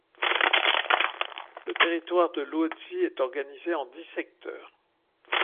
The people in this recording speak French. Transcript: Le territoire de Luozi est organisé en dix secteurs.